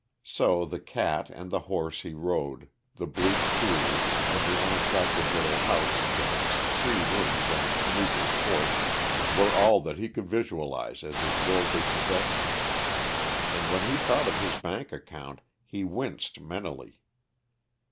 So the cat, and the horse he rode, the bleak coulee, and the unattractive little house with its three rooms and its meager porch, were all that he could visualize as his worldly possessions. And when he thought of his bank account he winced mentally.